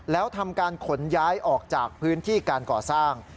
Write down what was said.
แล้วทำการขนย้ายออกจากพื้นที่การก่อสร้าง